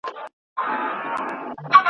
ښه او بد وپېژنئ.